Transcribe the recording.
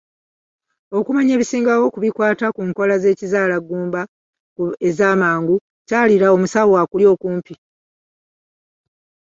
Okumanya ebisingawo ku bikwata ku nkola z'ekizaalaggumba ez'amangu, kyalira ku musawo akuli okumpi.